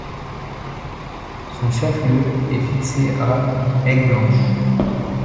Son chef-lieu est fixé à Aigueblanche.